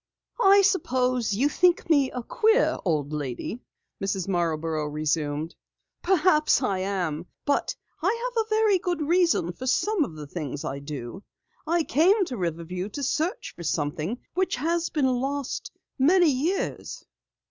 "I suppose you think me a queer old lady," Mrs. Marborough resumed. "Perhaps I am, but I have a very good reason for some of the things I do. I came to Riverview to search for something which has been lost many years."